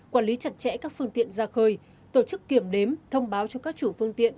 quản lý chặt chẽ các phương tiện ra khơi tổ chức kiểm đếm thông báo cho các chủ phương tiện